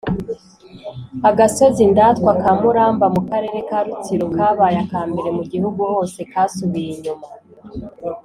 Agasozi indatwa ka Muramba mu karere ka Rutsiro kabaye aka mbere mu gihugu hose kasubiye inyuma